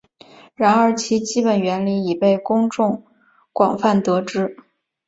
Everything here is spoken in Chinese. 然而其基本原理已被公众广泛得知。